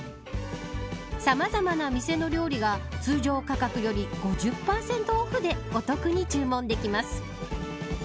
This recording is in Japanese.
さまざまな店の料理が通常価格より５０％オフでお得に注文できます。